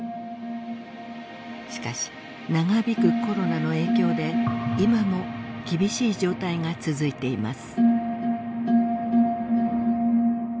しかし長引くコロナの影響で今も厳しい状態が続いています。